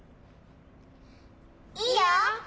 いいよ！